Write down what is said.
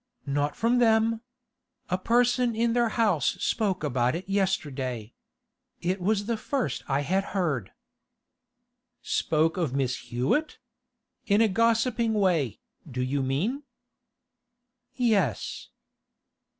'Not from them. A person in their house spoke about it yesterday. It was the first I had heard.' 'Spoke of Miss Hewett? In a gossiping way, do you mean?' 'Yes.